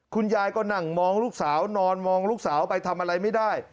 คุณยายก็หนังมองลูกศาเนนอนลูกศาออกไปทำอะไรไม่ได้